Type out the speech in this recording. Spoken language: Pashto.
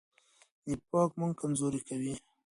نفاق موږ کمزوري کوي.